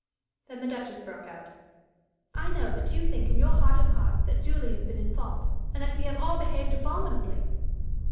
Then the Duchess broke out: "I know that you think in your heart of hearts that Julie has been in fault, and that we have all behaved abominably!"